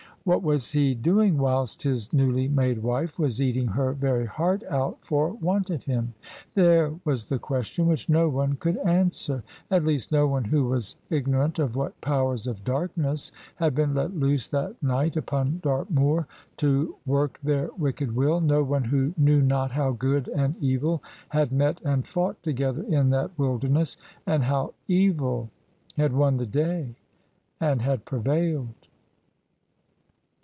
What was he doing whilst his newly made wife was eating her very heart out for want of him? That was the question which no one could answer: at least no one who was igno rant of what powers of darkness had been let loose that night upon Dartmoor to work their wicked will: no one who knew not how Good and Evil had met and fought together in that wilderness, and how Evil had won the day and had prevailed.